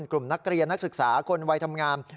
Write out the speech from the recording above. กลุ่มนักเรียนนักศึกษาคนวัยทำงาน